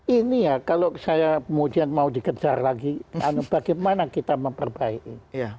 ini ya kalau saya kemudian mau dikejar lagi bagaimana kita memperbaiki